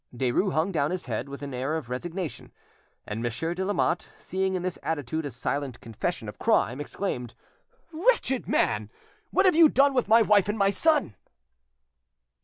Derues hung down his head with an air of resignation; and Monsieur de Lamotte, seeing in this attitude a silent confession of crime, exclaimed, "Wretched man! what have you done with my wife and my son?"